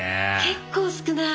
結構少ない。